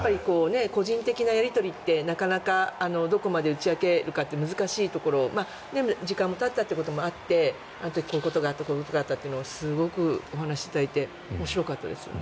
個人的なやり取りってなかなかどこまで打ち明けるかって難しいところ時間もたったということもあってあの時こういうことがあってとすごくお話しいただいて面白かったです。